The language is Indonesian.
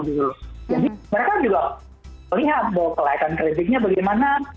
jadi mereka juga lihat bahwa kelayakan kreditnya bagaimana